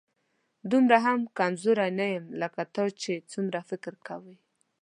دومره هم کمزوری نه یم، لکه ته چې څومره فکر کوې